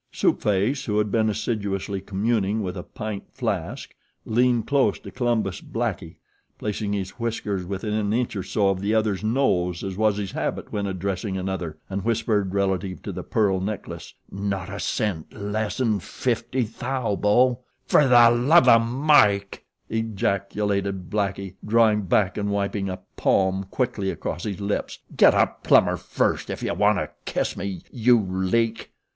Soup Face, who had been assiduously communing with a pint flask, leaned close to Columbus Blackie, placing his whiskers within an inch or so of the other's nose as was his habit when addressing another, and whispered, relative to the pearl necklace: "Not a cent less 'n fifty thou, bo!" "Fertheluvomike!" ejaculated Blackie, drawing back and wiping a palm quickly across his lips. "Get a plumber first if you want to kiss me you leak."